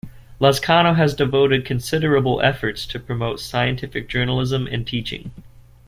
Lazcano has devoted considerable efforts to promote scientific journalism and teaching.